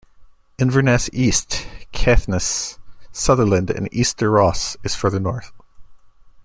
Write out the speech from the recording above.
Inverness East, Caithness, Sutherland and Easter Ross is further north.